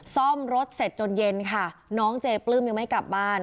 ซ่อมรถเสร็จจนเย็นค่ะน้องเจปลื้มยังไม่กลับบ้าน